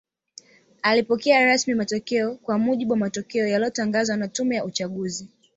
Alipokea rasmi matokeo Kwa mujibu wa matokeo yaliyotangazwa na tume ya uchaguzi